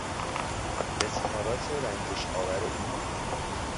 اظهارات رنجش آور او